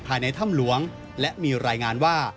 ภายในถ้ำหลวงและมีรายงานว่า